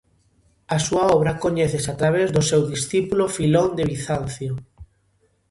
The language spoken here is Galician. A súa obra coñécese a través do seu discípulo Filón de Bizancio.